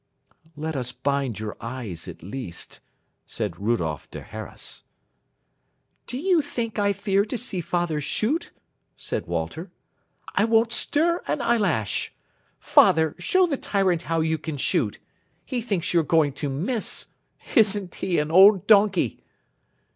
"Let us bind your eyes, at least," said Rudolph der Harras. "Do you think I fear to see father shoot?" said Walter. "I won't stir an eyelash. Father, show the tyrant how you can shoot. He thinks you're going to miss. Isn't he an old donkey!"